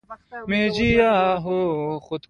چې په مرض مې نه پوهېږې طبيبه مه ګوره زما د لاس رګونه